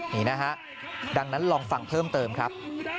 นี่นะฮะดังนั้นลองฟังเพิ่มเติมครับ